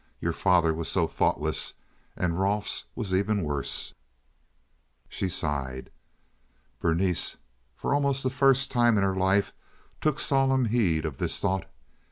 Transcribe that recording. Your father was so thoughtless, and Rolfe's was even worse." She sighed. Berenice, for almost the first time in her life, took solemn heed of this thought.